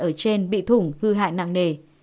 ở trên bị thủng hư hại nặng nề